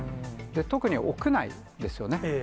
特に屋内ですよね。